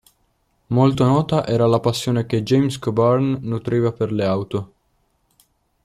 Molto nota era la passione che James Coburn nutriva per le auto.